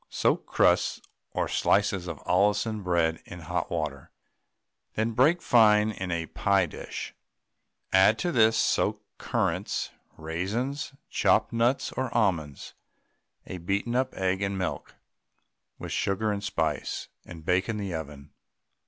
Soak crusts or slices of Allinson bread in hot water, then break fine in a pie dish, add to this soaked currants, raisins, chopped nuts or almonds, a beaten up egg, and milk, with sugar and spice, and bake in the oven.